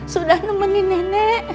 sudah nemenin nenek